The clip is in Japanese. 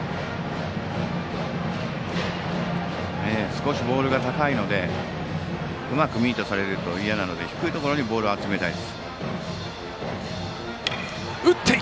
少しボールが高いのでうまくミートされるのいやなので低いところにボールを集めたい。